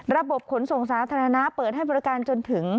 ระบบขนส่งสาธารณะเปิดให้บริการจนถึง